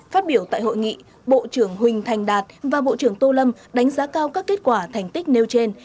phát biểu tại hội nghị bộ trưởng huỳnh thành đạt và bộ trưởng tô lâm đánh giá cao các kết quả thành tích nêu trên